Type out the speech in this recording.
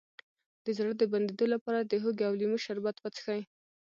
د زړه د بندیدو لپاره د هوږې او لیمو شربت وڅښئ